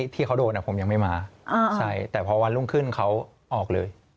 ที่เขาโดนผมยังไม่มาใช่แต่พอวันรุ่งขึ้นเขาออกเลย